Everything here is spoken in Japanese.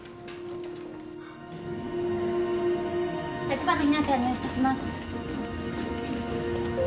立花日菜ちゃん入室します。